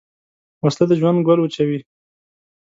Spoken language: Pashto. وسله د ژوند ګل وچوي